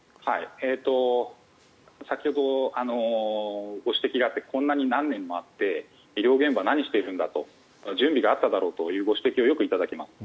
先ほどご指摘があってこんなに何年もあって医療現場、何をしているんだと準備があっただろうというご指摘をよく頂きます。